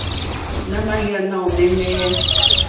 Nà mà jǎ náòmɛ́nɛ́.